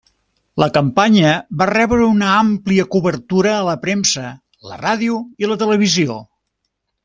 La campanya va rebre una àmplia cobertura a la premsa, la ràdio, i la televisió.